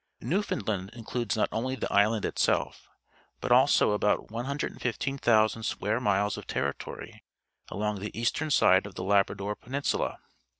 Newfoundland includes not only the island itself, but also about 115,000 square miles of territory along the eastern side of the Labra dor Peninsula.